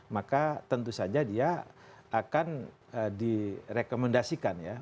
maka tentu saja dia akan direkomendasikan ya